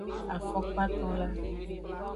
Afokpatonla.